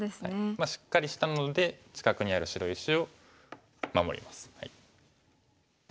しっかりしたので近くにある白石を守ります。